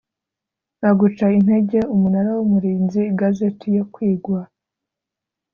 aguca intege Umunara w Umurinzi Igazeti yo kwigwa